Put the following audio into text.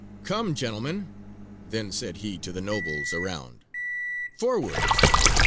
"Come, gentlemen," then said he to the nobles around, "forwards!"